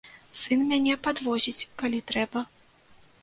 Сын мяне падвозіць, калі трэба.